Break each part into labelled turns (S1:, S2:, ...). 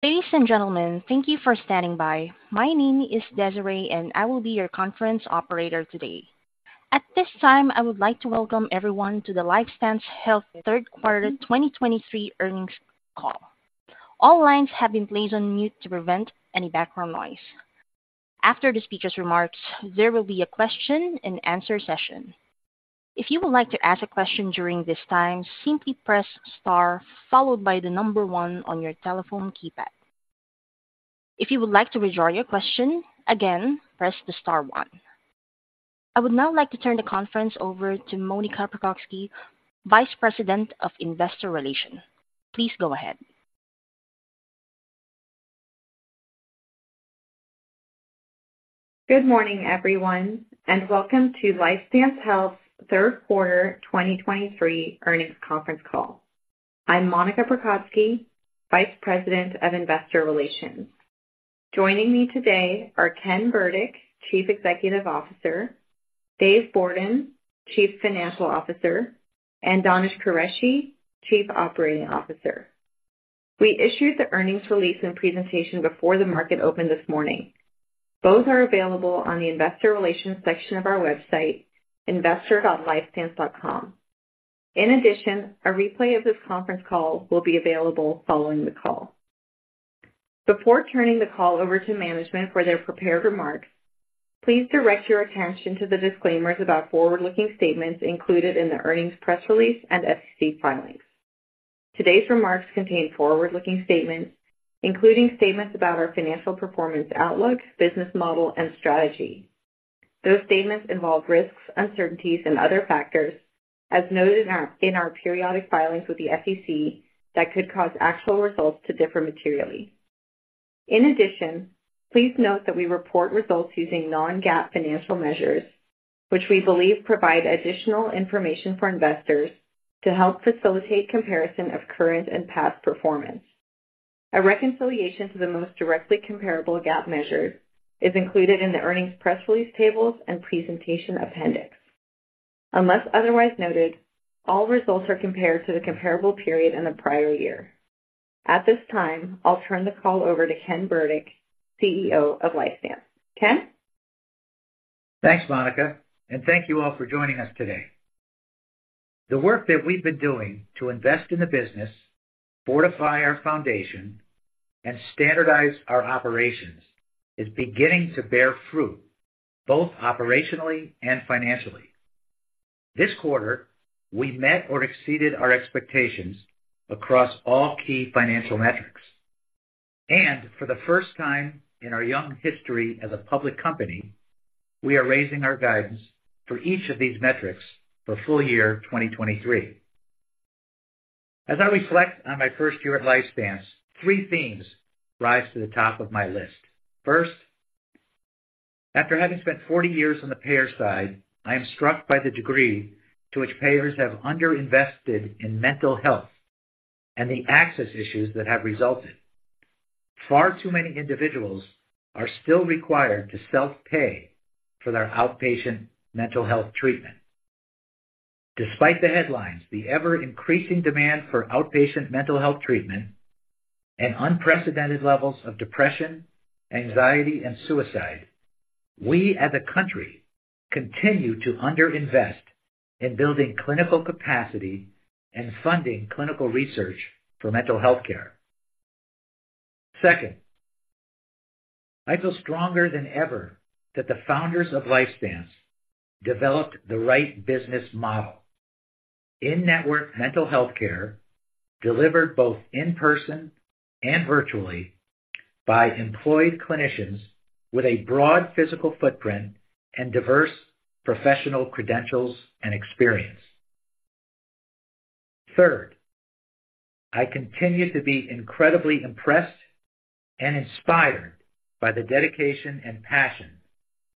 S1: Ladies and gentlemen, thank you for standing by. My name is Desiree, and I will be your conference operator today. At this time, I would like to welcome everyone to the LifeStance Health third quarter 2023 earnings call. All lines have been placed on mute to prevent any background noise. After the speaker's remarks, there will be a question-and-answer session. If you would like to ask a question during this time, simply press star followed by the number one on your telephone keypad. If you would like to withdraw your question, again, press the star one. I would now like to turn the conference over to Monica Prokocki, Vice President of Investor Relations. Please go ahead.
S2: Good morning, everyone, and welcome to LifeStance Health's third quarter 2023 earnings conference call. I'm Monica Prokocki, Vice President of Investor Relations. Joining me today are Ken Burdick, Chief Executive Officer; Dave Bourdon, Chief Financial Officer; and Danish Qureshi, Chief Operating Officer. We issued the earnings release and presentation before the market opened this morning. Both are available on the Investor Relations section of our website, investor.lifestance.com. In addition, a replay of this conference call will be available following the call. Before turning the call over to management for their prepared remarks, please direct your attention to the disclaimers about forward-looking statements included in the earnings press release and SEC filings. Today's remarks contain forward-looking statements, including statements about our financial performance outlook, business model, and strategy. Those statements involve risks, uncertainties and other factors, as noted in our periodic filings with the SEC, that could cause actual results to differ materially. In addition, please note that we report results using non-GAAP financial measures, which we believe provide additional information for investors to help facilitate comparison of current and past performance. A reconciliation to the most directly comparable GAAP measures is included in the earnings press release tables and presentation appendix. Unless otherwise noted, all results are compared to the comparable period in the prior year. At this time, I'll turn the call over to Ken Burdick, CEO of LifeStance. Ken?
S3: Thanks, Monica, and thank you all for joining us today. The work that we've been doing to invest in the business, fortify our foundation, and standardize our operations is beginning to bear fruit, both operationally and financially. This quarter, we met or exceeded our expectations across all key financial metrics. For the first time in our young history as a public company, we are raising our guidance for each of these metrics for full year 2023. As I reflect on my first year at LifeStance, three themes rise to the top of my list. First, after having spent 40 years on the payer side, I am struck by the degree to which payers have underinvested in mental health and the access issues that have resulted. Far too many individuals are still required to self-pay for their outpatient mental health treatment. Despite the headlines, the ever-increasing demand for outpatient mental health treatment and unprecedented levels of depression, anxiety, and suicide, we as a country continue to underinvest in building clinical capacity and funding clinical research for mental health care. Second, I feel stronger than ever that the founders of LifeStance developed the right business model. In-network mental health care delivered both in person and virtually by employed clinicians with a broad physical footprint and diverse professional credentials and experience. Third, I continue to be incredibly impressed and inspired by the dedication and passion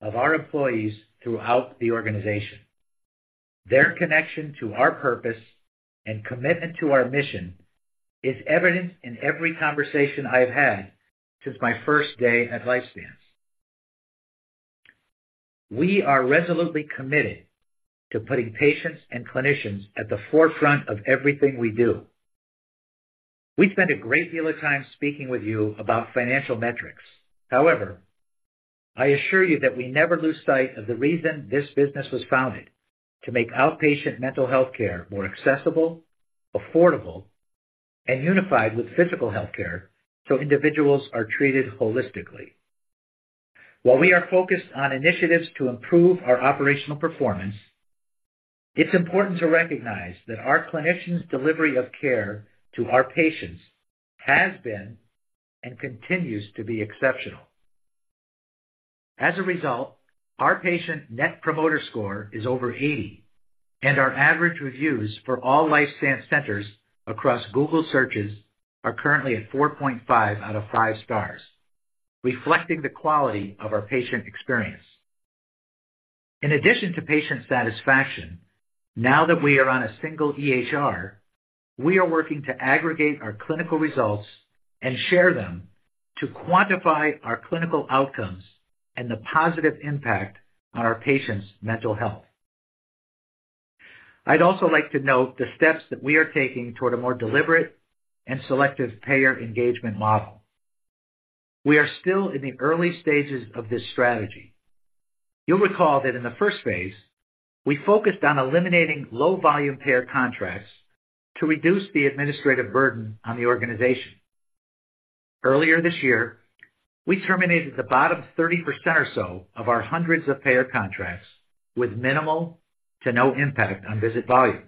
S3: of our employees throughout the organization. Their connection to our purpose and commitment to our mission is evident in every conversation I've had since my first day at LifeStance. We are resolutely committed to putting patients and clinicians at the forefront of everything we do. We spend a great deal of time speaking with you about financial metrics. However, I assure you that we never lose sight of the reason this business was founded: to make outpatient mental health care more accessible, affordable, and unified with physical health care, so individuals are treated holistically. While we are focused on initiatives to improve our operational performance, it's important to recognize that our clinicians' delivery of care to our patients has been and continues to be exceptional. As a result, our patient Net Promoter Score is over 80, and our average reviews for all LifeStance centers across Google searches are currently at 4.5 out of five stars, reflecting the quality of our patient experience. In addition to patient satisfaction, now that we are on a single EHR, we are working to aggregate our clinical results and share them to quantify our clinical outcomes and the positive impact on our patients' mental health. I'd also like to note the steps that we are taking toward a more deliberate and selective payer engagement model. We are still in the early stages of this strategy. You'll recall that in the first phase, we focused on eliminating low-volume payer contracts to reduce the administrative burden on the organization. Earlier this year, we terminated the bottom 30% or so of our hundreds of payer contracts with minimal to no impact on visit volume.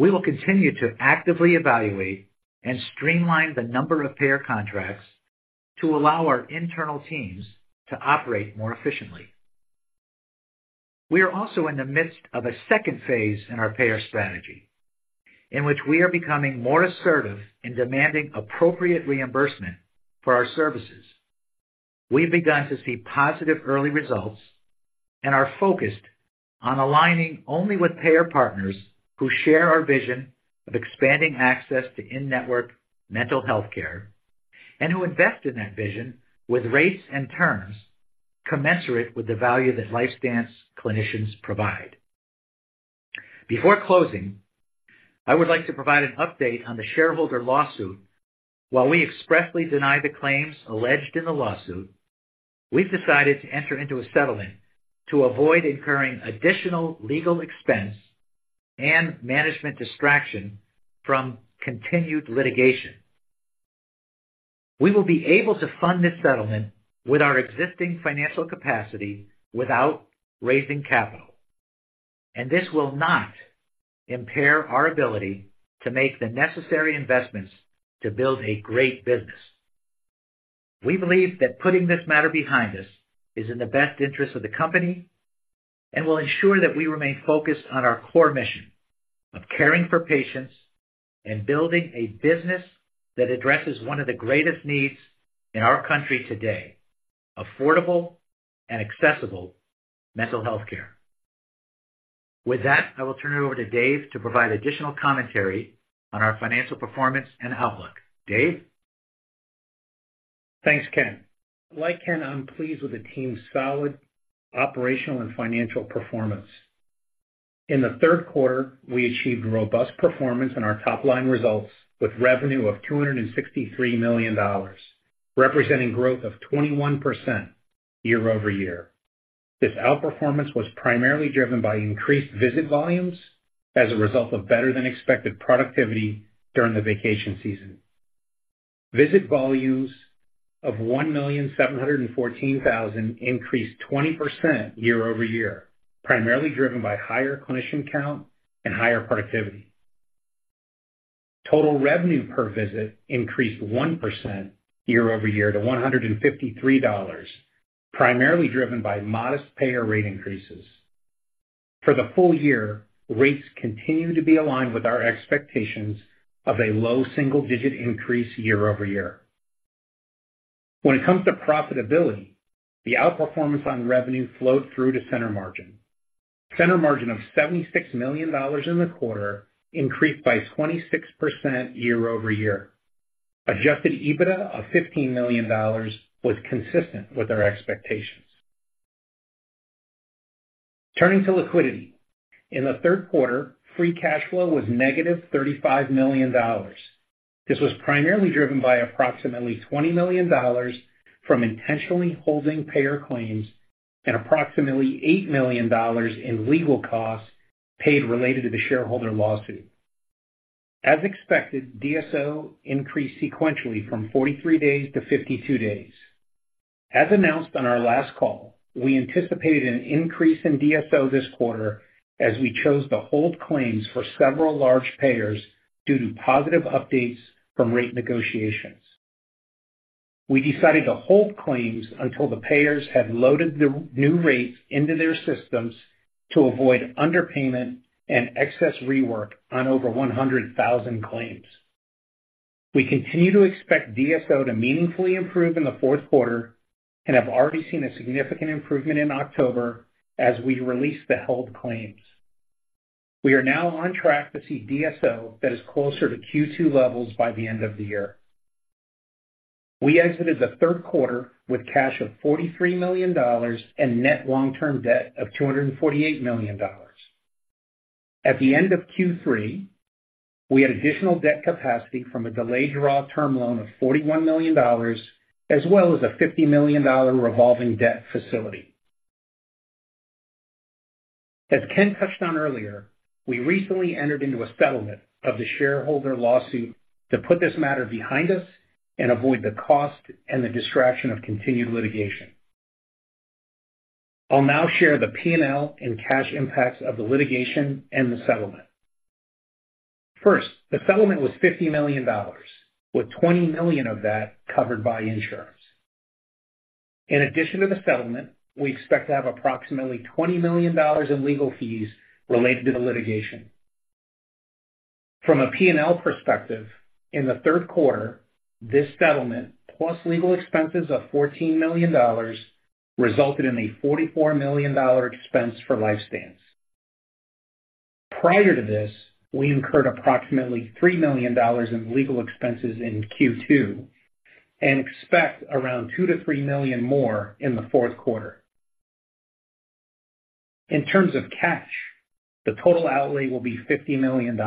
S3: We will continue to actively evaluate and streamline the number of payer contracts to allow our internal teams to operate more efficiently. We are also in the midst of a second phase in our payer strategy, in which we are becoming more assertive in demanding appropriate reimbursement for our services. We've begun to see positive early results and are focused on aligning only with payer partners who share our vision of expanding access to in-network mental health care, and who invest in that vision with rates and terms commensurate with the value that LifeStance clinicians provide. Before closing, I would like to provide an update on the shareholder lawsuit. While we expressly deny the claims alleged in the lawsuit, we've decided to enter into a settlement to avoid incurring additional legal expense and management distraction from continued litigation. We will be able to fund this settlement with our existing financial capacity without raising capital, and this will not impair our ability to make the necessary investments to build a great business. We believe that putting this matter behind us is in the best interest of the company and will ensure that we remain focused on our core mission of caring for patients and building a business that addresses one of the greatest needs in our country today: affordable and accessible mental health care. With that, I will turn it over to Dave to provide additional commentary on our financial performance and outlook. Dave?
S4: Thanks, Ken. Like Ken, I'm pleased with the team's solid operational and financial performance. In the third quarter, we achieved robust performance on our top-line results, with revenue of $263 million, representing growth of 21% year-over-year. This outperformance was primarily driven by increased visit volumes as a result of better-than-expected productivity during the vacation season. Visit volumes of 1,714,000 increased 20% year-over-year, primarily driven by higher clinician count and higher productivity. Total revenue per visit increased 1% year-over-year to $153, primarily driven by modest payer rate increases. For the full year, rates continue to be aligned with our expectations of a low single-digit increase year-over-year. When it comes to profitability, the outperformance on revenue flowed through to Center Margin. Center Margin of $76 million in the quarter increased by 26% year-over-year. Adjusted EBITDA of $15 million was consistent with our expectations. Turning to liquidity. In the third quarter, free cash flow was negative $35 million. This was primarily driven by approximately $20 million from intentionally holding payer claims and approximately $8 million in legal costs paid related to the shareholder lawsuit. As expected, DSO increased sequentially from 43 days to 52 days. As announced on our last call, we anticipated an increase in DSO this quarter as we chose to hold claims for several large payers due to positive updates from rate negotiations. We decided to hold claims until the payers had loaded the new rates into their systems to avoid underpayment and excess rework on over 100,000 claims. We continue to expect DSO to meaningfully improve in the fourth quarter and have already seen a significant improvement in October as we release the held claims. We are now on track to see DSO that is closer to Q2 levels by the end of the year. We exited the third quarter with cash of $43 million and net long-term debt of $248 million. At the end of Q3, we had additional debt capacity from a delayed draw term loan of $41 million, as well as a $50 million revolving debt facility. As Ken touched on earlier, we recently entered into a settlement of the shareholder lawsuit to put this matter behind us and avoid the cost and the distraction of continued litigation. I'll now share the P&L and cash impacts of the litigation and the settlement. First, the settlement was $50 million, with $20 million of that covered by insurance. In addition to the settlement, we expect to have approximately $20 million in legal fees related to the litigation. From a P&L perspective, in the third quarter, this settlement, plus legal expenses of $14 million, resulted in a $44 million expense for LifeStance. Prior to this, we incurred approximately $3 million in legal expenses in Q2 and expect around $2 million-$3 million more in the fourth quarter. In terms of cash, the total outlay will be $50 million.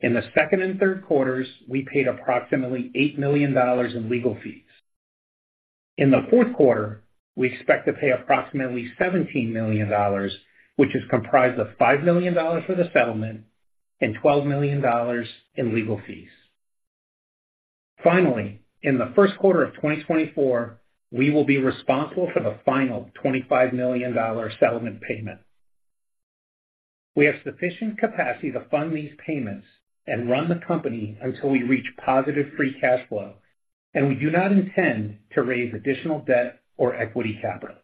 S4: In the second and third quarters, we paid approximately $8 million in legal fees. In the fourth quarter, we expect to pay approximately $17 million, which is comprised of $5 million for the settlement and $12 million in legal fees. Finally, in the first quarter of 2024, we will be responsible for the final $25 million settlement payment. We have sufficient capacity to fund these payments and run the company until we reach positive free cash flow, and we do not intend to raise additional debt or equity capital.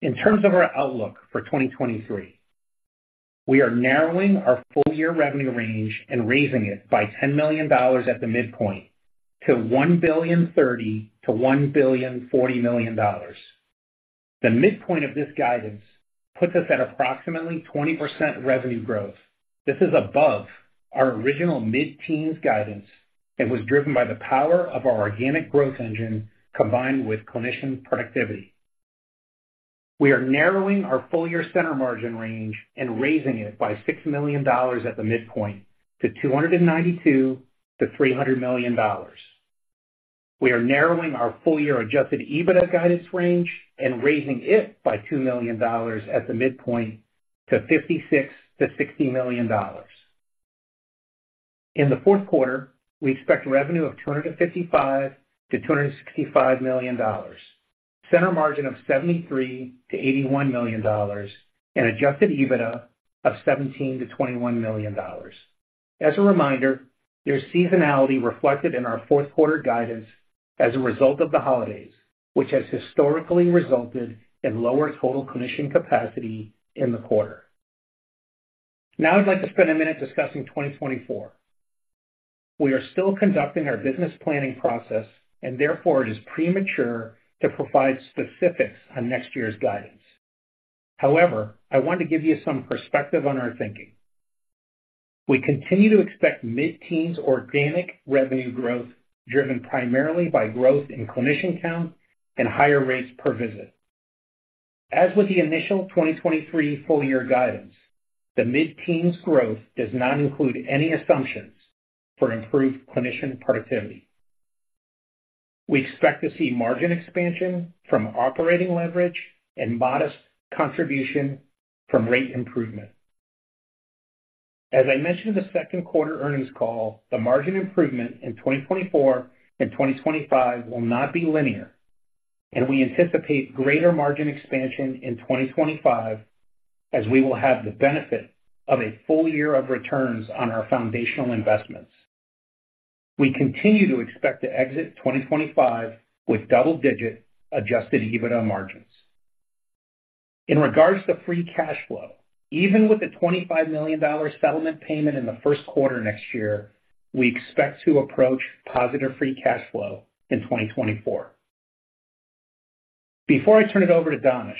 S4: In terms of our outlook for 2023, we are narrowing our full-year revenue range and raising it by $10 million at the midpoint to $1.03 billion-$1.04 billion. The midpoint of this guidance puts us at approximately 20% revenue growth. This is above our original mid-teens guidance and was driven by the power of our organic growth engine, combined with clinician productivity. We are narrowing our full-year Center Margin range and raising it by $6 million at the midpoint to $292 million-$300 million. We are narrowing our full-year adjusted EBITDA guidance range and raising it by $2 million at the midpoint to $56 million-$60 million. In the fourth quarter, we expect revenue of $255 million-$265 million, Center Margin of $73 million-$81 million, and adjusted EBITDA of $17 million-$21 million. As a reminder, there's seasonality reflected in our fourth quarter guidance as a result of the holidays, which has historically resulted in lower total clinician capacity in the quarter. Now I'd like to spend a minute discussing 2024. We are still conducting our business planning process, and therefore, it is premature to provide specifics on next year's guidance. However, I want to give you some perspective on our thinking. We continue to expect mid-teens organic revenue growth, driven primarily by growth in clinician count and higher rates per visit. As with the initial 2023 full year guidance, the mid-teens growth does not include any assumptions for improved clinician productivity. We expect to see margin expansion from operating leverage and modest contribution from rate improvement. As I mentioned in the second quarter earnings call, the margin improvement in 2024 and 2025 will not be linear, and we anticipate greater margin expansion in 2025, as we will have the benefit of a full year of returns on our foundational investments. We continue to expect to exit 2025 with double-digit Adjusted EBITDA margins. In regards to free cash flow, even with the $25 million settlement payment in the first quarter next year, we expect to approach positive free cash flow in 2024. Before I turn it over to Danish,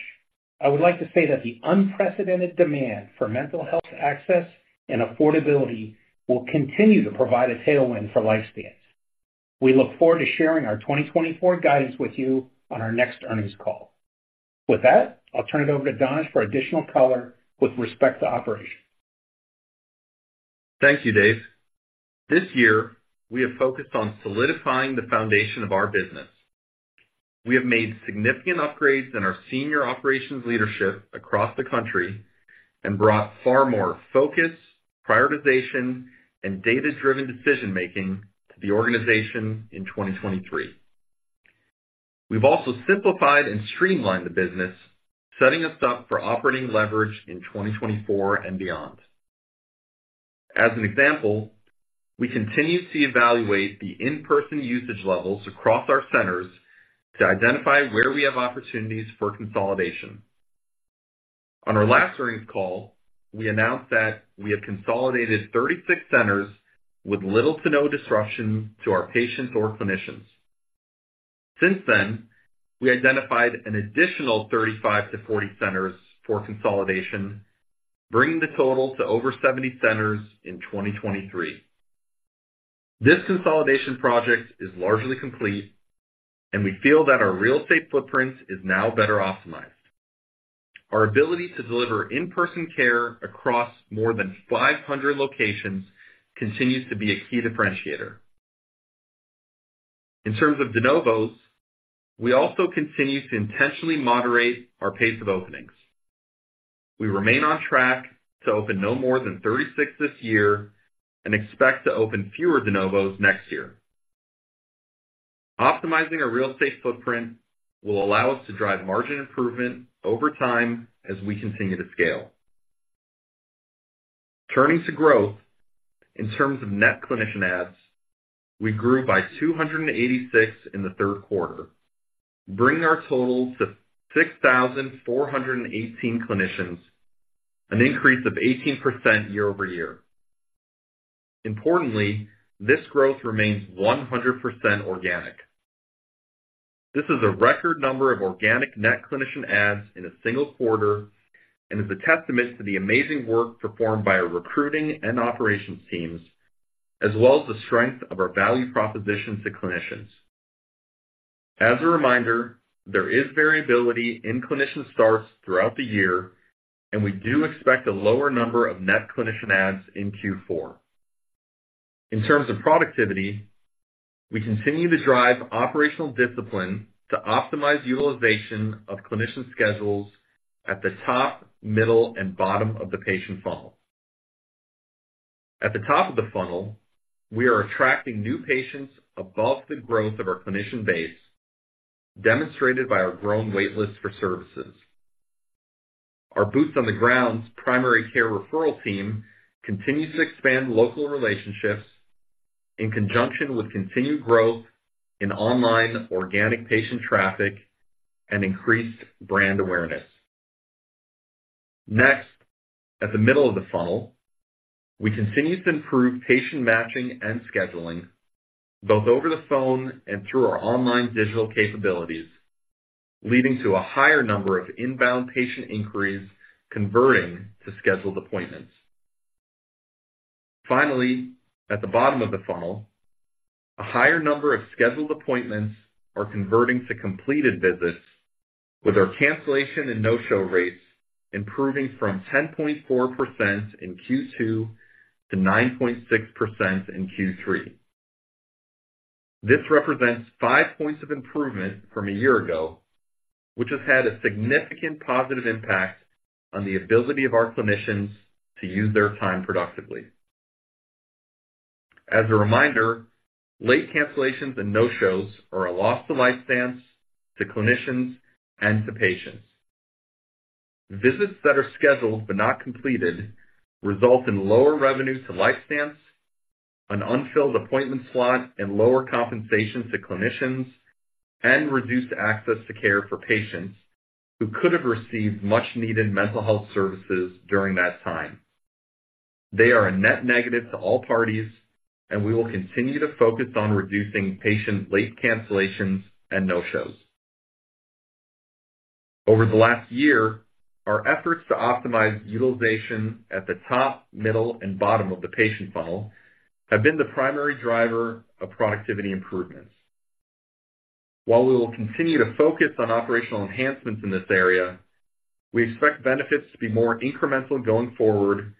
S4: I would like to say that the unprecedented demand for mental health access and affordability will continue to provide a tailwind for LifeStance. We look forward to sharing our 2024 guidance with you on our next earnings call. With that, I'll turn it over to Danish for additional color with respect to operations.
S5: Thank you, Dave. This year, we have focused on solidifying the foundation of our business. We have made significant upgrades in our senior operations leadership across the country and brought far more focus, prioritization, and data-driven decision-making to the organization in 2023. We've also simplified and streamlined the business, setting us up for operating leverage in 2024 and beyond. As an example, we continue to evaluate the in-person usage levels across our centers to identify where we have opportunities for consolidation. On our last earnings call, we announced that we have consolidated 36 centers with little to no disruption to our patients or clinicians. Since then, we identified an additional 35-40 centers for consolidation, bringing the total to over 70 centers in 2023. This consolidation project is largely complete, and we feel that our real estate footprint is now better optimized. Our ability to deliver in-person care across more than 500 locations continues to be a key differentiator. In terms of de novos, we also continue to intentionally moderate our pace of openings. We remain on track to open no more than 36 this year and expect to open fewer de novos next year. Optimizing our real estate footprint will allow us to drive margin improvement over time as we continue to scale. Turning to growth, in terms of net clinician adds, we grew by 286 in the third quarter, bringing our total to 6,418 clinicians, an increase of 18% year-over-year. Importantly, this growth remains 100% organic. This is a record number of organic net clinician adds in a single quarter, and is a testament to the amazing work performed by our recruiting and operations teams, as well as the strength of our value proposition to clinicians. As a reminder, there is variability in clinician starts throughout the year, and we do expect a lower number of net clinician adds in Q4. In terms of productivity, we continue to drive operational discipline to optimize utilization of clinician schedules at the top, middle, and bottom of the patient funnel. At the top of the funnel, we are attracting new patients above the growth of our clinician base, demonstrated by our growing wait list for services. Our boots on the ground primary care referral team continues to expand local relationships in conjunction with continued growth in online organic patient traffic and increased brand awareness. Next, at the middle of the funnel, we continue to improve patient matching and scheduling, both over the phone and through our online digital capabilities, leading to a higher number of inbound patient inquiries converting to scheduled appointments. Finally, at the bottom of the funnel, a higher number of scheduled appointments are converting to completed visits, with our cancellation and no-show rates improving from 10.4% in Q2 to 9.6% in Q3. This represents five points of improvement from a year ago, which has had a significant positive impact on the ability of our clinicians to use their time productively. As a reminder, late cancellations and no-shows are a loss to LifeStance, to clinicians, and to patients. Visits that are scheduled but not completed result in lower revenue to LifeStance, an unfilled appointment slot and lower compensation to clinicians, and reduced access to care for patients who could have received much needed mental health services during that time. They are a net negative to all parties, and we will continue to focus on reducing patient late cancellations and no-shows. Over the last year, our efforts to optimize utilization at the top, middle, and bottom of the patient funnel have been the primary driver of productivity improvements. While we will continue to focus on operational enhancements in this area, we expect benefits to be more incremental going forward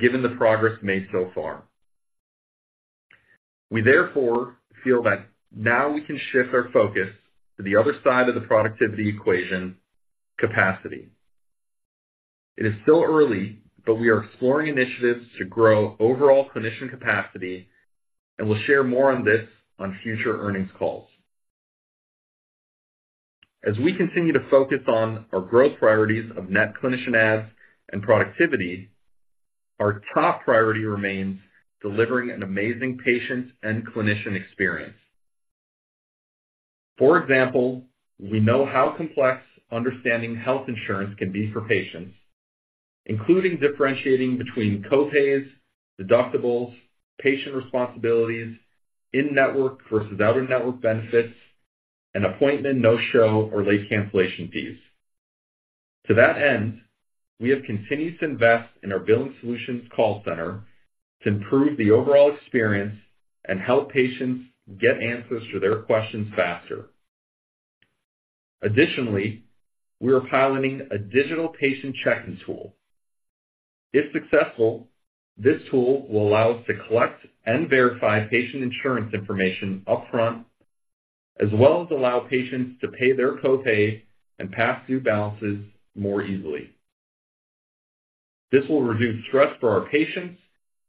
S5: given the progress made so far. We therefore feel that now we can shift our focus to the other side of the productivity equation: capacity. It is still early, but we are exploring initiatives to grow overall clinician capacity, and we'll share more on this on future earnings calls. As we continue to focus on our growth priorities of net clinician adds and productivity, our top priority remains delivering an amazing patient and clinician experience. For example, we know how complex understanding health insurance can be for patients, including differentiating between co-pays, deductibles, patient responsibilities, in-network versus out-of-network benefits, and appointment no-show or late cancellation fees. To that end, we have continued to invest in our billing solutions call center to improve the overall experience and help patients get answers to their questions faster. Additionally, we are piloting a digital patient check-in tool. If successful, this tool will allow us to collect and verify patient insurance information upfront, as well as allow patients to pay their co-pay and past-due balances more easily. This will reduce stress for our patients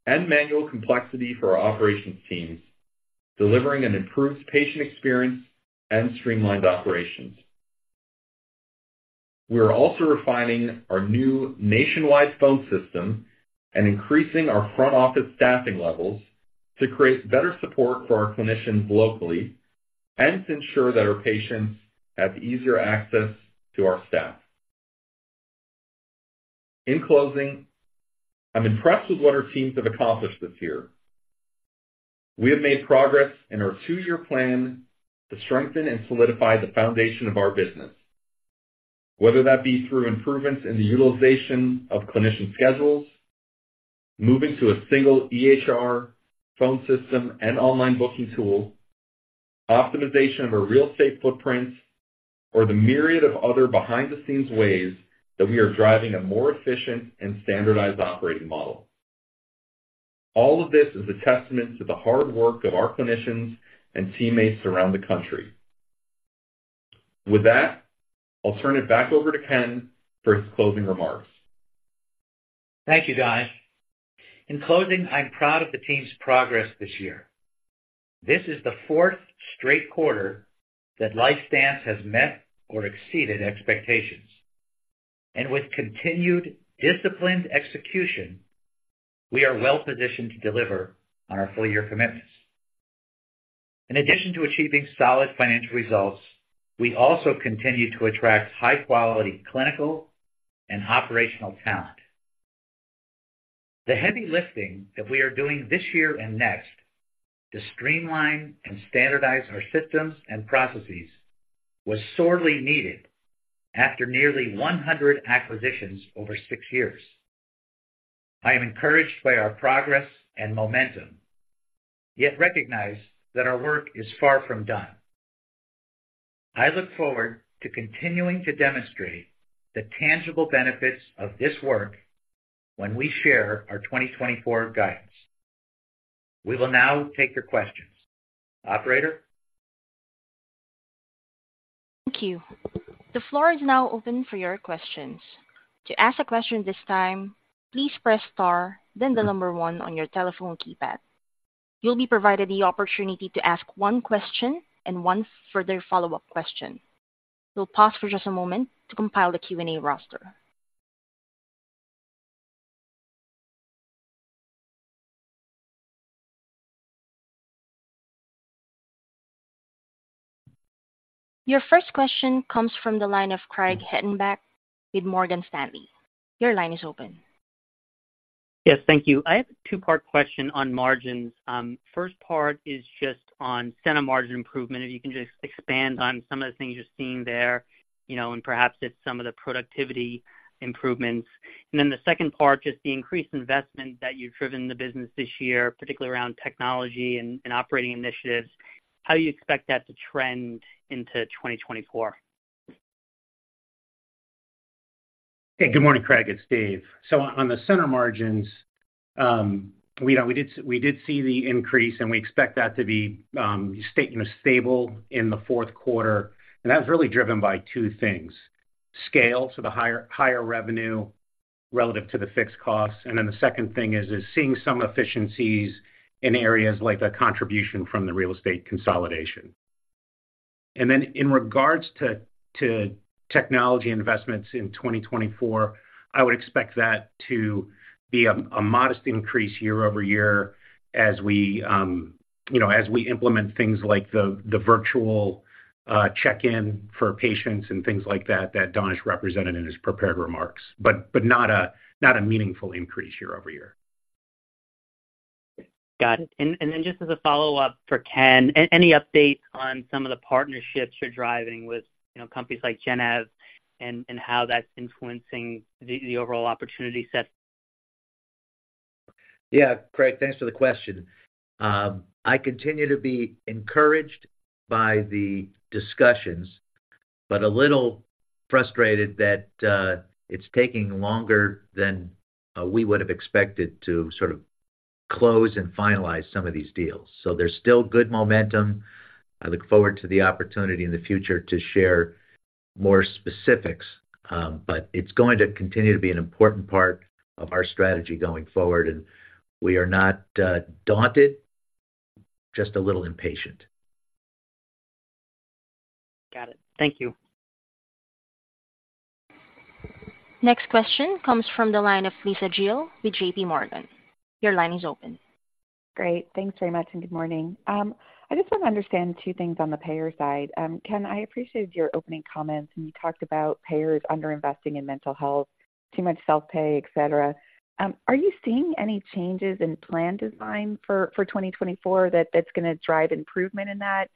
S5: and manual complexity for our operations teams, delivering an improved patient experience and streamlined operations. We are also refining our new nationwide phone system and increasing our front office staffing levels to create better support for our clinicians locally and to ensure that our patients have easier access to our staff. In closing, I'm impressed with what our teams have accomplished this year. We have made progress in our two-year plan to strengthen and solidify the foundation of our business, whether that be through improvements in the utilization of clinician schedules, moving to a single EHR phone system and online booking tool, optimization of our real estate footprints, or the myriad of other behind-the-scenes ways that we are driving a more efficient and standardized operating model. All of this is a testament to the hard work of our clinicians and teammates around the country. With that, I'll turn it back over to Ken for his closing remarks.
S3: Thank you, guys. In closing, I'm proud of the team's progress this year. This is the fourth straight quarter that LifeStance has met or exceeded expectations, and with continued disciplined execution, we are well positioned to deliver on our full year commitments. In addition to achieving solid financial results, we also continue to attract high-quality clinical and operational talent. The heavy lifting that we are doing this year and next to streamline and standardize our systems and processes was sorely needed after nearly 100 acquisitions over six years. I am encouraged by our progress and momentum, yet recognize that our work is far from done. I look forward to continuing to demonstrate the tangible benefits of this work when we share our 2024 guidance. We will now take your questions. Operator?
S1: Thank you. The floor is now open for your questions. To ask a question this time, please press star, then the number one on your telephone keypad. You'll be provided the opportunity to ask one question and one further follow-up question. We'll pause for just a moment to compile the Q&A roster. Your first question comes from the line of Craig Hettenbach with Morgan Stanley. Your line is open.
S6: Yes, thank you. I have a two-part question on margins. First part is just on Center Margin improvement, if you can just expand on some of the things you're seeing there, you know, and perhaps it's some of the productivity improvements. And then the second part, just the increased investment that you've driven the business this year, particularly around technology and, and operating initiatives, how do you expect that to trend into 2024?
S4: Hey, good morning, Craig, it's Dave. So on the Center Margins, we know we did, we did see the increase, and we expect that to be stay, you know, stable in the fourth quarter, and that's really driven by two things: scale, so the higher, higher revenue relative to the fixed costs, and then the second thing is, is seeing some efficiencies in areas like the contribution from the real estate consolidation. And then in regards to, to technology investments in 2024, I would expect that to be a, a modest increase year-over-year as we, you know, as we implement things like the, the virtual check-in for patients and things like that, that Danish represented in his prepared remarks, but, but not a, not a meaningful increase year-over-year.
S6: Got it. And then just as a follow-up for Ken, any updates on some of the partnerships you're driving with, you know, companies like Gennev, and how that's influencing the overall opportunity set?
S3: Yeah, Craig, thanks for the question. I continue to be encouraged by the discussions, but a little frustrated that it's taking longer than we would have expected to sort of close and finalize some of these deals. So there's still good momentum. I look forward to the opportunity in the future to share more specifics, but it's going to continue to be an important part of our strategy going forward, and we are not daunted, just a little impatient.
S6: Got it. Thank you.
S1: Next question comes from the line of Lisa Gill with JPMorgan. Your line is open.
S7: Great. Thanks very much, and good morning. I just want to understand two things on the payer side. Ken, I appreciated your opening comments, and you talked about payers underinvesting in mental health, too much self-pay, et cetera. Are you seeing any changes in plan design for 2024, that's going to drive improvement in that?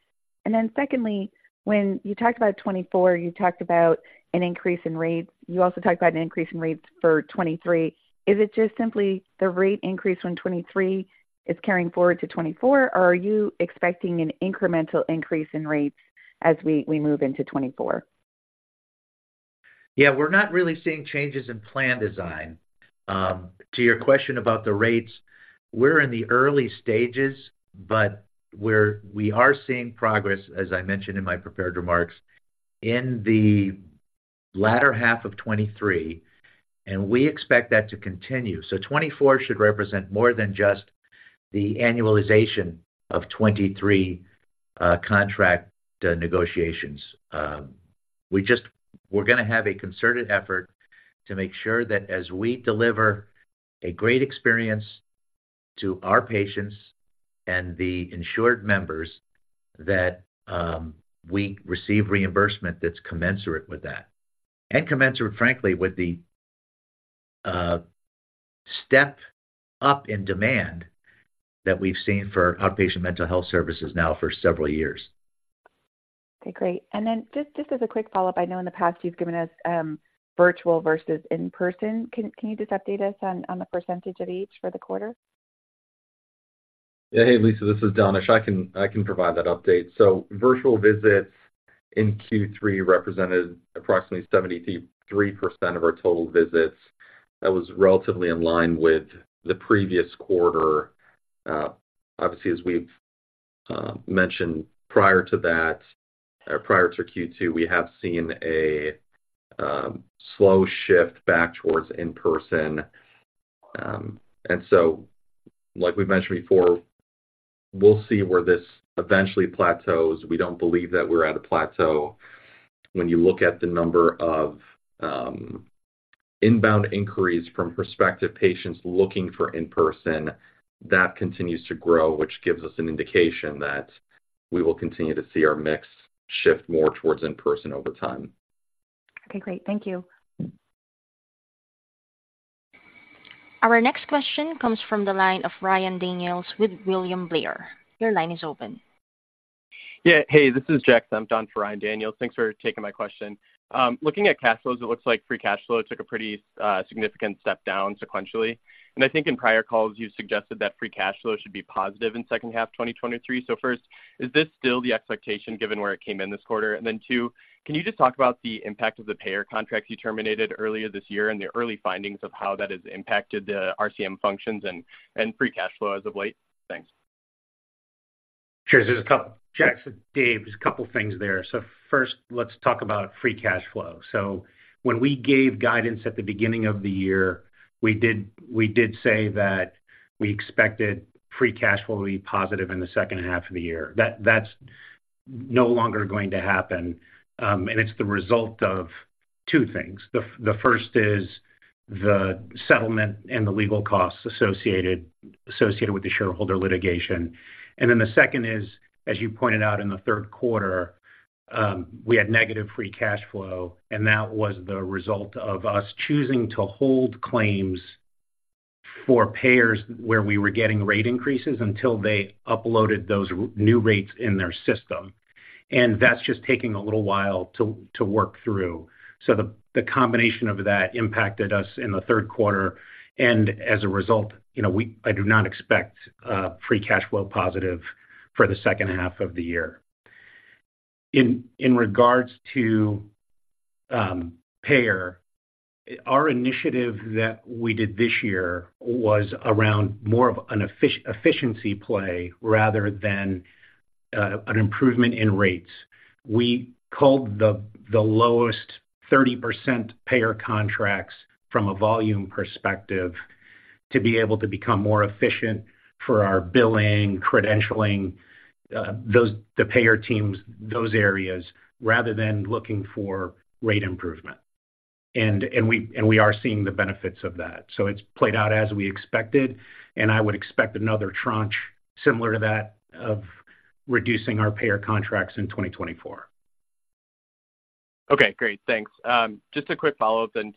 S7: And then secondly, when you talked about 2024, you talked about an increase in rates. You also talked about an increase in rates for 2023. Is it just simply the rate increase from 2023 is carrying forward to 2024, or are you expecting an incremental increase in rates as we move into 2024?
S3: Yeah, we're not really seeing changes in plan design. To your question about the rates, we're in the early stages, but we are seeing progress, as I mentioned in my prepared remarks, in the latter half of 2023, and we expect that to continue. So 2024 should represent more than just the annualization of 2023 contract negotiations. We just... We're going to have a concerted effort to make sure that as we deliver a great experience to our patients and the insured members, that we receive reimbursement that's commensurate with that, and commensurate, frankly, with the step up in demand that we've seen for outpatient mental health services now for several years.
S7: Okay, great. And then just as a quick follow-up, I know in the past you've given us virtual versus in-person. Can you just update us on the percentage of each for the quarter?
S5: Yeah. Hey, Lisa, this is Danish. I can provide that update. So virtual visits in Q3 represented approximately 73% of our total visits. That was relatively in line with the previous quarter. Obviously, as we've mentioned prior to that, prior to Q2, we have seen a slow shift back towards in-person. And so, like we've mentioned before, we'll see where this eventually plateaus. We don't believe that we're at a plateau. When you look at the number of inbound inquiries from prospective patients looking for in-person, that continues to grow, which gives us an indication that we will continue to see our mix shift more towards in-person over time.
S7: Okay, great. Thank you.
S1: Our next question comes from the line of Ryan Daniels with William Blair. Your line is open.
S8: Yeah. Hey, this is Jack Senft on for Ryan Daniels. Thanks for taking my question. Looking at cash flows, it looks like free cash flow took a pretty significant step down sequentially. And I think in prior calls, you suggested that free cash flow should be positive in second half of 2023. So first, is this still the expectation given where it came in this quarter? And then two, can you just talk about the impact of the payer contracts you terminated earlier this year and the early findings of how that has impacted the RCM functions and free cash flow as of late? Thanks.
S4: Sure. There's a couple, Jack, Dave, there's a couple of things there. So first, let's talk about free cash flow. So when we gave guidance at the beginning of the year, we did say that we expected free cash flow to be positive in the second half of the year. That's no longer going to happen, and it's the result of two things. The first is the settlement and the legal costs associated with the shareholder litigation. And then the second is, as you pointed out in the third quarter, we had negative free cash flow, and that was the result of us choosing to hold claims for payers where we were getting rate increases until they uploaded those new rates in their system. And that's just taking a little while to work through. So the combination of that impacted us in the third quarter, and as a result, you know, we—I do not expect free cash flow positive for the second half of the year. In regards to payer, our initiative that we did this year was around more of an efficiency play rather than an improvement in rates. We culled the lowest 30% payer contracts from a volume perspective to be able to become more efficient for our billing, credentialing, those payer teams, those areas, rather than looking for rate improvement. And we are seeing the benefits of that. So it's played out as we expected, and I would expect another tranche similar to that of reducing our payer contracts in 2024.
S8: Okay, great. Thanks. Just a quick follow-up then,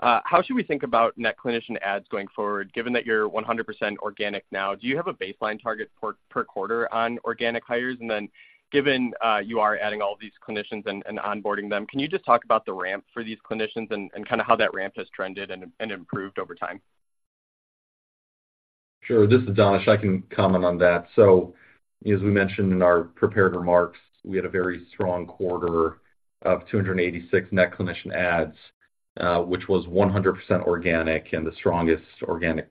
S8: too. How should we think about net clinician adds going forward, given that you're 100% organic now? Do you have a baseline target per quarter on organic hires? And then given you are adding all these clinicians and onboarding them, can you just talk about the ramp for these clinicians and kind of how that ramp has trended and improved over time?
S5: Sure. This is Danish. I can comment on that. So as we mentioned in our prepared remarks, we had a very strong quarter of 286 net clinician adds, which was 100% organic and the strongest organic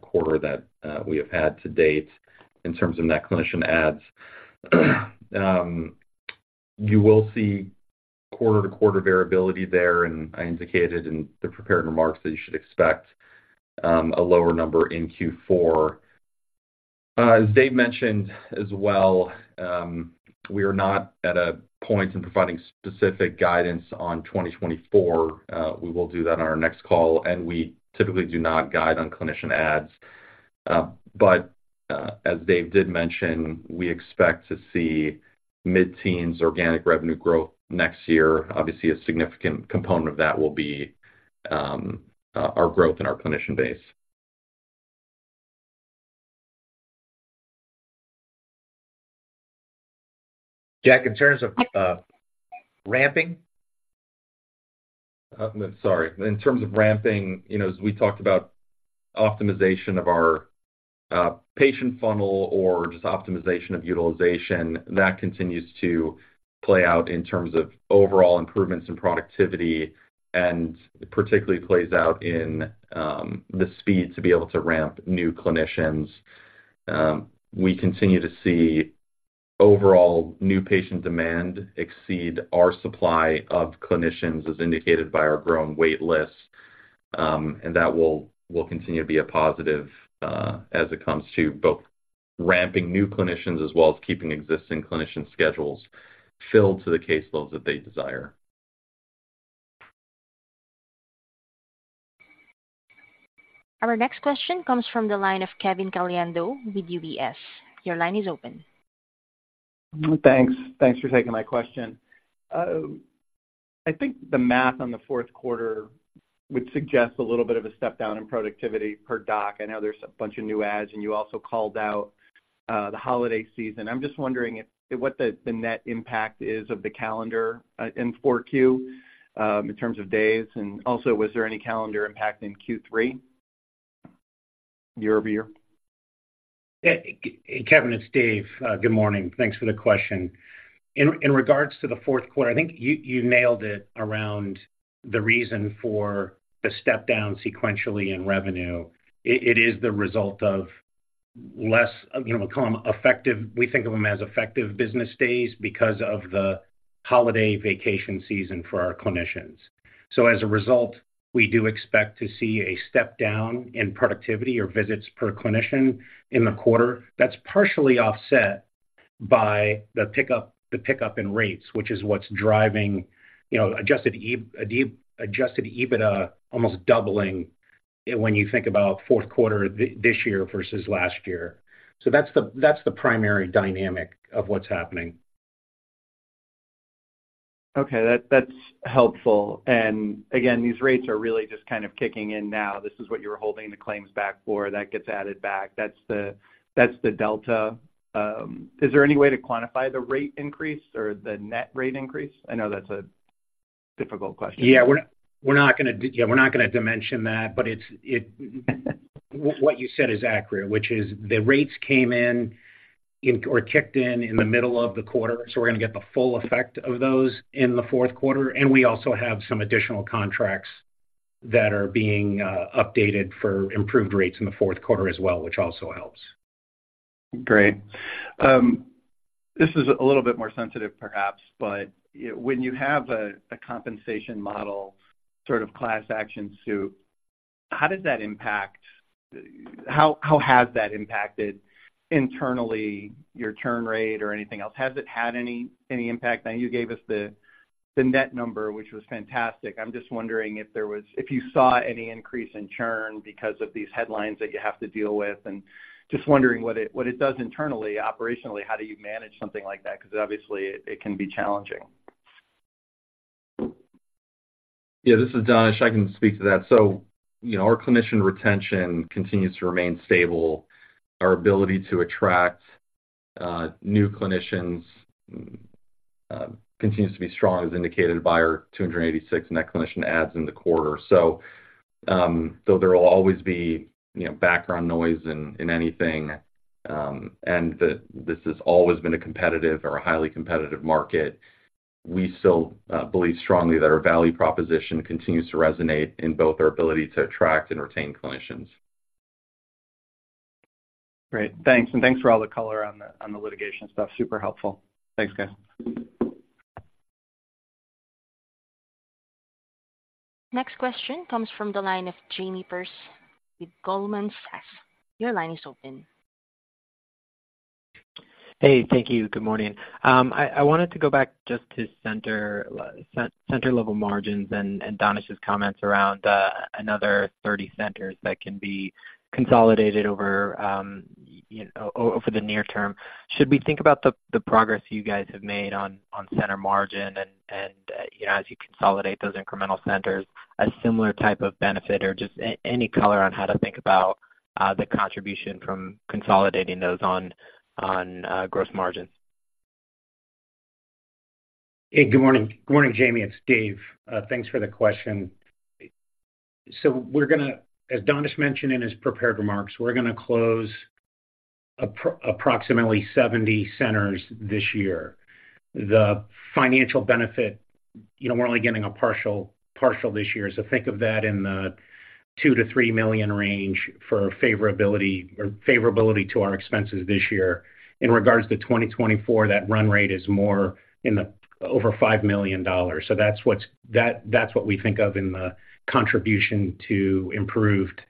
S5: quarter that we have had to date in terms of net clinician adds. You will see quarter-to-quarter variability there, and I indicated in the prepared remarks that you should expect a lower number in Q4. As Dave mentioned as well, we are not at a point in providing specific guidance on 2024. We will do that on our next call, and we typically do not guide on clinician adds. But as Dave did mention, we expect to see mid-teens organic revenue growth next year. Obviously, a significant component of that will be, our growth in our clinician base.
S4: Jack, in terms of, ramping?
S5: Sorry. In terms of ramping, you know, as we talked about optimization of our patient funnel or just optimization of utilization, that continues to play out in terms of overall improvements in productivity, and it particularly plays out in the speed to be able to ramp new clinicians. We continue to see overall new patient demand exceed our supply of clinicians, as indicated by our growing wait list, and that will continue to be a positive as it comes to both ramping new clinicians as well as keeping existing clinician schedules filled to the caseloads that they desire.
S1: Our next question comes from the line of Kevin Caliendo with UBS. Your line is open.
S9: Thanks. Thanks for taking my question. I think the math on the fourth quarter would suggest a little bit of a step down in productivity per doc. I know there's a bunch of new adds, and you also called out the holiday season. I'm just wondering if what the net impact is of the calendar in 4Q in terms of days, and also, was there any calendar impact in Q3 year-over-year?
S4: Hey, Kevin, it's Dave. Good morning. Thanks for the question. In, in regards to the fourth quarter, I think you, you nailed it around the reason for the step down sequentially in revenue. It, it is the result of less, you know, we'll call them effective—we think of them as effective business days because of the holiday vacation season for our clinicians. So as a result, we do expect to see a step down in productivity or visits per clinician in the quarter. That's partially offset by the pickup, the pickup in rates, which is what's driving, you know, adjusted EBITDA, almost doubling when you think about fourth quarter this year versus last year. So that's the, that's the primary dynamic of what's happening.
S9: Okay, that, that's helpful. And again, these rates are really just kind of kicking in now. This is what you were holding the claims back for. That gets added back. That's the, that's the delta. Is there any way to quantify the rate increase or the net rate increase? I know that's a difficult question.
S4: Yeah, we're not gonna dimension that, but what you said is accurate, which is the rates came in or kicked in in the middle of the quarter, so we're gonna get the full effect of those in the fourth quarter. And we also have some additional contracts that are being updated for improved rates in the fourth quarter as well, which also helps.
S9: Great. This is a little bit more sensitive, perhaps, but when you have a compensation model, sort of, class action suit, how does that impact? How has that impacted internally your churn rate or anything else? Has it had any impact? Now, you gave us the net number, which was fantastic. I'm just wondering if you saw any increase in churn because of these headlines that you have to deal with, and just wondering what it does internally. Operationally, how do you manage something like that? Because obviously, it can be challenging.
S5: Yeah, this is Danish. I can speak to that. So, you know, our clinician retention continues to remain stable. Our ability to attract new clinicians continues to be strong, as indicated by our 286 net clinician adds in the quarter. So, though there will always be, you know, background noise in anything, and this has always been a competitive or a highly competitive market, we still believe strongly that our value proposition continues to resonate in both our ability to attract and retain clinicians.
S9: Great. Thanks, and thanks for all the color on the litigation stuff. Super helpful. Thanks, guys.
S1: Next question comes from the line of Jamie Perse with Goldman Sachs. Your line is open.
S10: Hey, thank you. Good morning. I wanted to go back just to center level margins and Danish's comments around another 30 centers that can be consolidated over the near term. Should we think about the progress you guys have made on Center Margin and, you know, as you consolidate those incremental centers, a similar type of benefit? Or just any color on how to think about the contribution from consolidating those on gross margins.
S4: Hey, good morning. Good morning, Jamie. It's Dave. Thanks for the question. So we're gonna, as Danish mentioned in his prepared remarks, we're gonna close approximately 70 centers this year. The financial benefit, you know, we're only getting a partial, partial this year, so think of that in the $2 million-$3 million range for favorability or favorability to our expenses this year. In regards to 2024, that run rate is more in the over $5 million. So that's what we think of in the contribution to improved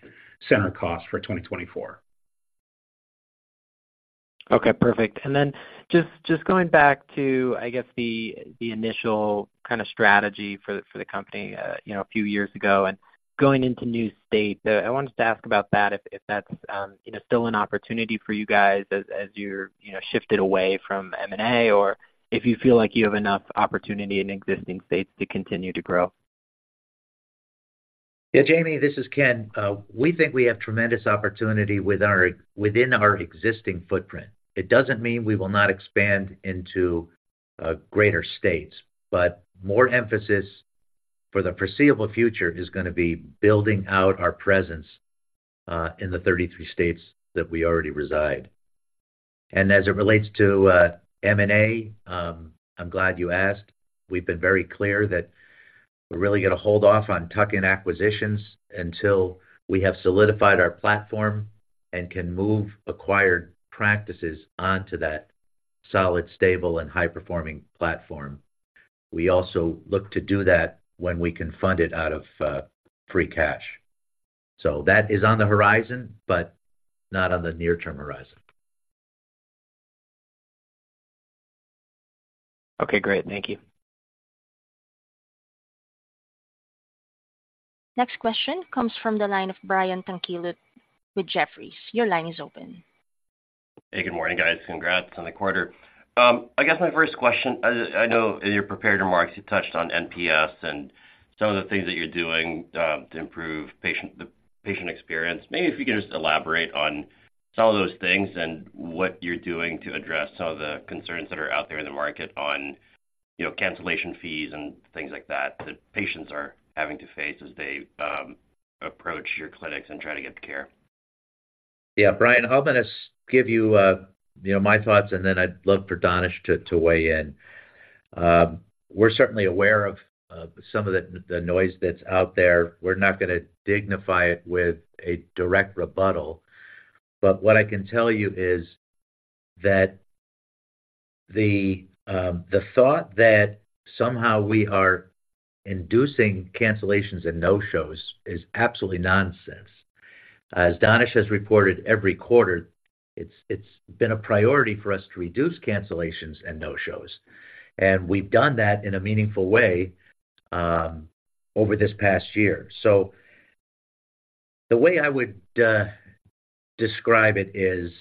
S4: center costs for 2024.
S10: Okay, perfect. And then just going back to, I guess, the initial kind of strategy for the company, you know, a few years ago and going into new states, I wanted to ask about that, if that's, you know, still an opportunity for you guys as you're, you know, shifted away from M&A, or if you feel like you have enough opportunity in existing states to continue to grow.
S3: Yeah, Jamie, this is Ken. We think we have tremendous opportunity with our, within our existing footprint. It doesn't mean we will not expand into greater states, but more emphasis for the foreseeable future is gonna be building out our presence in the 33 states that we already reside. And as it relates to M&A, I'm glad you asked. We've been very clear that we're really gonna hold off on tuck-in acquisitions until we have solidified our platform and can move acquired practices onto that solid, stable, and high-performing platform. We also look to do that when we can fund it out of free cash. So that is on the horizon, but not on the near-term horizon.
S10: Okay, great. Thank you.
S1: Next question comes from the line of Brian Tanquilut with Jefferies. Your line is open.
S11: Hey, good morning, guys. Congrats on the quarter. I guess my first question, I know in your prepared remarks, you touched on NPS and some of the things that you're doing to improve the patient experience. Maybe if you could just elaborate on some of those things and what you're doing to address some of the concerns that are out there in the market on, you know, cancellation fees and things like that, that patients are having to face as they approach your clinics and try to get care.
S3: Yeah, Brian, I'm gonna give you, you know, my thoughts, and then I'd love for Danish to weigh in. We're certainly aware of some of the noise that's out there. We're not gonna dignify it with a direct rebuttal, but what I can tell you is that the thought that somehow we are inducing cancellations and no-shows is absolutely nonsense. As Danish has reported every quarter, it's been a priority for us to reduce cancellations and no-shows, and we've done that in a meaningful way over this past year. So the way I would describe it is,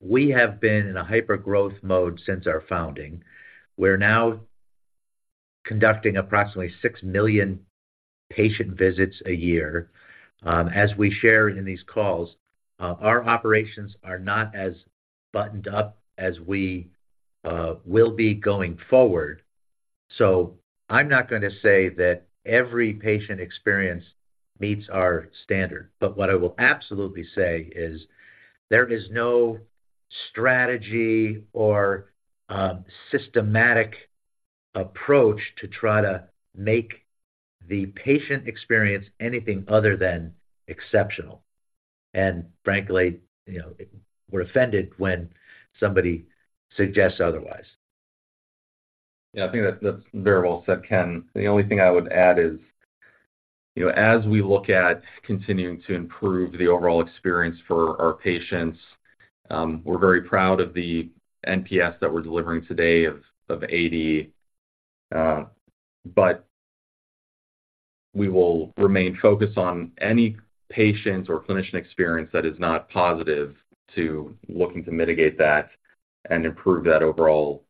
S3: we have been in a hyper-growth mode since our founding. We're now conducting approximately 6 million patient visits a year. As we share in these calls, our operations are not as buttoned up as we will be going forward. I'm not gonna say that every patient experience meets our standard, but what I will absolutely say is there is no strategy or systematic approach to try to make the patient experience anything other than exceptional. Frankly, you know, we're offended when somebody suggests otherwise.
S5: Yeah, I think that's, that's very well said, Ken. The only thing I would add is, you know, as we look at continuing to improve the overall experience for our patients, we're very proud of the NPS that we're delivering today of 80. But we will remain focused on any patient or clinician experience that is not positive, to looking to mitigate that and improve that overall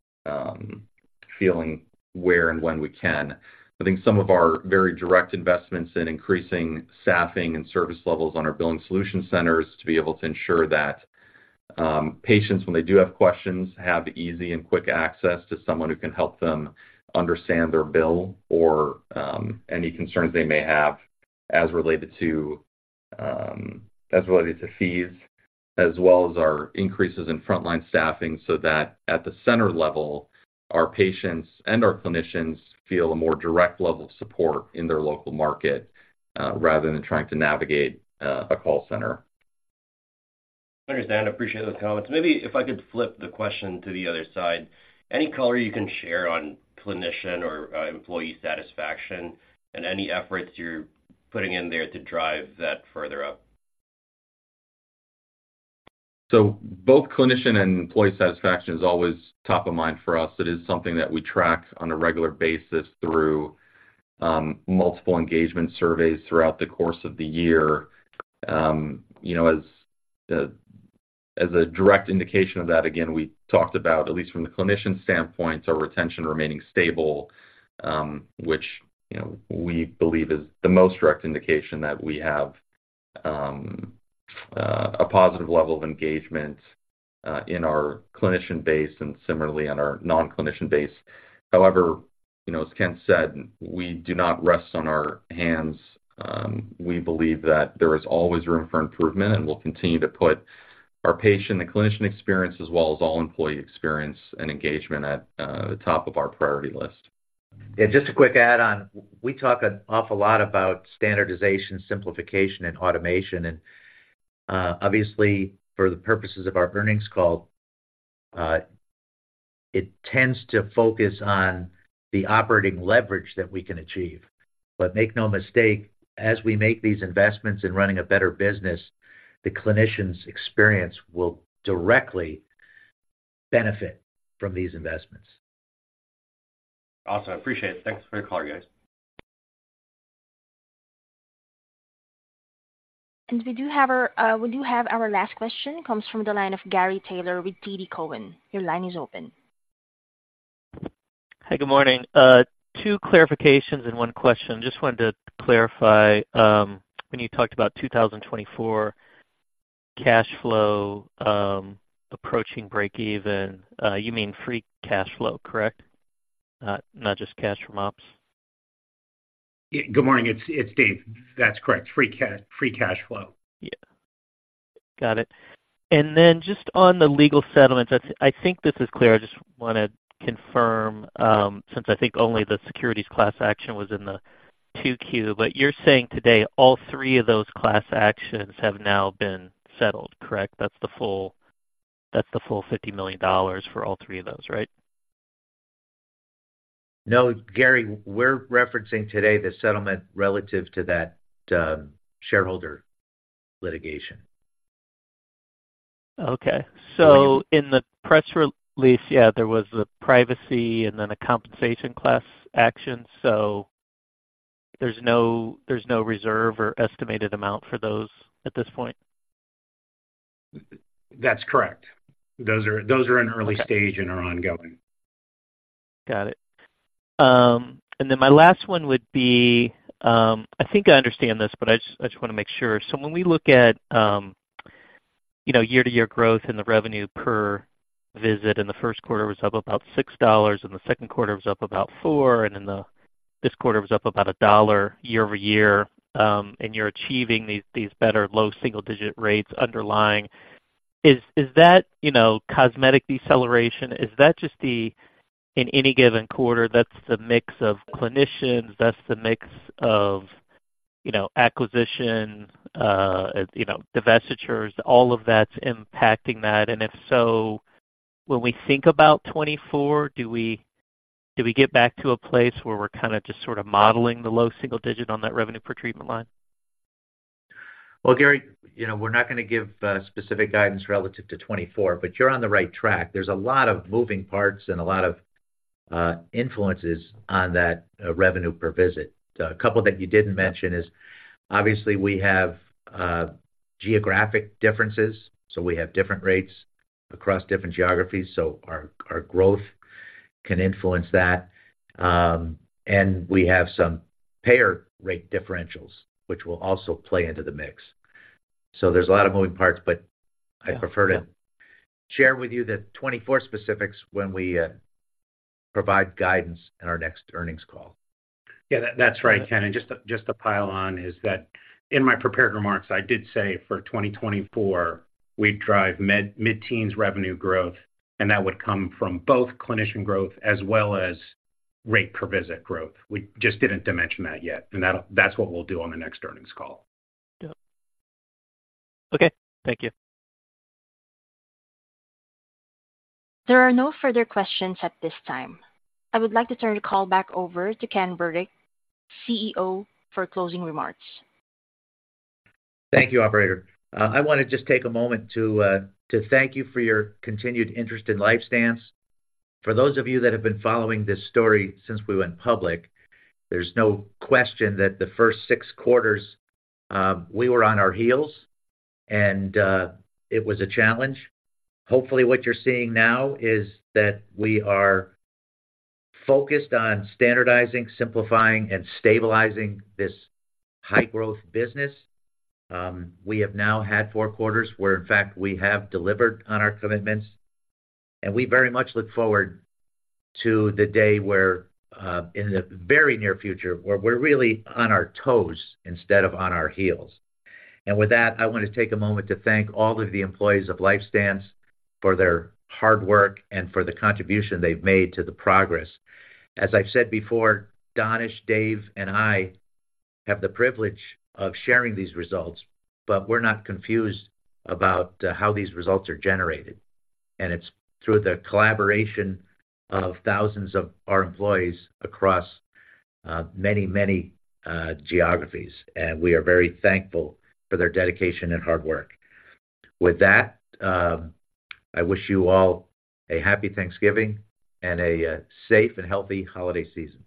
S5: feeling where and when we can. I think some of our very direct investments in increasing staffing and service levels on our billing solution centers, to be able to ensure that patients, when they do have questions, have easy and quick access to someone who can help them understand their bill or any concerns they may have as related to, as related to fees, as well as our increases in frontline staffing, so that at the center level, our patients and our clinicians feel a more direct level of support in their local market, rather than trying to navigate a call center.
S11: I understand. I appreciate those comments. Maybe if I could flip the question to the other side. Any color you can share on clinician or employee satisfaction and any efforts you're putting in there to drive that further up?
S5: So both clinician and employee satisfaction is always top of mind for us. It is something that we track on a regular basis through multiple engagement surveys throughout the course of the year. You know, as a direct indication of that, again, we talked about, at least from the clinician standpoint, our retention remaining stable, which, you know, we believe is the most direct indication that we have, a positive level of engagement in our clinician base and similarly in our non-clinician base. However, you know, as Ken said, we do not rest on our hands. We believe that there is always room for improvement, and we'll continue to put our patient and clinician experience, as well as all employee experience and engagement at the top of our priority list.
S3: Yeah, just a quick add on. We talk an awful lot about standardization, simplification, and automation, and obviously, for the purposes of our earnings call, it tends to focus on the operating leverage that we can achieve. But make no mistake, as we make these investments in running a better business, the clinicians' experience will directly benefit from these investments.
S11: Awesome. I appreciate it. Thanks for the call, guys.
S1: We do have our last question. Comes from the line of Gary Taylor with TD Cowen. Your line is open.
S12: Hi, good morning. Two clarifications and one question. Just wanted to clarify, when you talked about 2024 cash flow, approaching break even, you mean free cash flow, correct? Not just cash from ops.
S4: Good morning. It's Dave. That's correct. Free Cash Flow.
S12: Yeah. Got it. And then just on the legal settlements, I think this is clear. I just wanna confirm, since I think only the securities class action was in the 2Q. But you're saying today, all three of those class actions have now been settled, correct? That's the full, that's the full $50 million for all three of those, right?
S3: No, Gary, we're referencing today the settlement relative to that, shareholder litigation.
S12: Okay. So in the press release, yeah, there was a privacy and then a compensation class action. So there's no reserve or estimated amount for those at this point?
S3: That's correct. Those are in early stage-
S12: Okay.
S3: And are ongoing.
S12: Got it. And then my last one would be... I think I understand this, but I just, I just wanna make sure. So when we look at, you know, year-to-year growth and the revenue per visit in the first quarter was up about $6, in the second quarter was up about $4, and in this quarter was up about $1, year-over-year, and you're achieving these, these better low single-digit rates underlying. Is, is that, you know, cosmetic deceleration? Is that just the, in any given quarter, that's the mix of clinicians, that's the mix of, you know, acquisition, you know, divestitures, all of that's impacting that? And if so, when we think about 2024, do we get back to a place where we're kinda just sort of modeling the low single-digit on that revenue per treatment line?
S3: Well, Gary, you know, we're not gonna give specific guidance relative to 2024, but you're on the right track. There's a lot of moving parts and a lot of influences on that revenue per visit. A couple that you didn't mention is, obviously, we have geographic differences, so we have different rates across different geographies, so our growth can influence that. And we have some payer rate differentials, which will also play into the mix. So there's a lot of moving parts, but I prefer to share with you the 2024 specifics when we provide guidance in our next earnings call.
S4: Yeah, that's right, Ken. And just to pile on, is that in my prepared remarks, I did say for 2024, we'd drive mid-teens revenue growth, and that would come from both clinician growth as well as rate per visit growth. We just didn't dimension that yet, and that's what we'll do on the next earnings call.
S12: Yeah. Okay, thank you.
S1: There are no further questions at this time. I would like to turn the call back over to Ken Burdick, CEO, for closing remarks.
S3: Thank you, operator. I wanna just take a moment to thank you for your continued interest in LifeStance. For those of you that have been following this story since we went public, there's no question that the first six quarters, we were on our heels, and it was a challenge. Hopefully, what you're seeing now is that we are focused on standardizing, simplifying, and stabilizing this high-growth business. We have now had four quarters where, in fact, we have delivered on our commitments, and we very much look forward to the day where, in the very near future, where we're really on our toes instead of on our heels. And with that, I wanna take a moment to thank all of the employees of LifeStance for their hard work and for the contribution they've made to the progress. As I've said before, Danish, Dave, and I have the privilege of sharing these results, but we're not confused about how these results are generated. And it's through the collaboration of thousands of our employees across many, many geographies, and we are very thankful for their dedication and hard work. With that, I wish you all a happy Thanksgiving and a safe and healthy holiday season.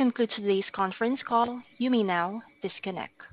S1: Concludes today's conference call. You may now disconnect.